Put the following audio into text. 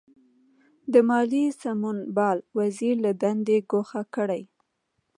د مالیې سمونپال وزیر له دندې ګوښه کړي.